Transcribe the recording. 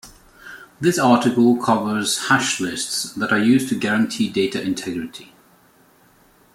This article covers hash lists that are used to guarantee data integrity.